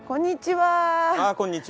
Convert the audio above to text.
こんにちは。